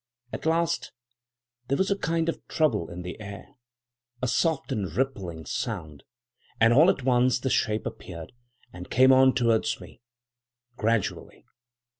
At last there was a kind of trouble in the air, a soft and rippling sound, and all at once the shape appeared, and came on towards me gradually.